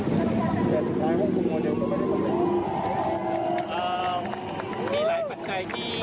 แต่สุดท้ายควบคุมโมเดลก็ไม่ได้กำหนดอ่ามีหลายปัจจัยที่